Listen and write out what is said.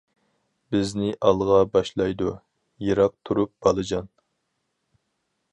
بىزنى ئالغا باشلايدۇ، يىراق تۇرۇپ بالىجان.